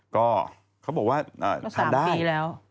บอกว่าทานได้นะคะ